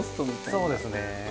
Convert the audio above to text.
そうですね。